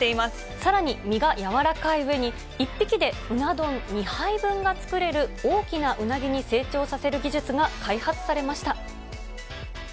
さらに、身が柔らかいうえに、１匹でうな丼２杯分が作れる、大きなうなぎに成長させる技術が開発されました。